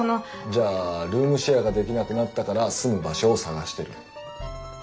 じゃあルームシェアができなくなったから住む場所を探してる。